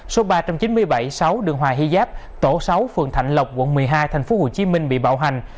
số ba trăm chín mươi bảy sáu đường hòa hiếp tổ sáu phường thạnh lộc quận một mươi hai tp hcm bị bạo hành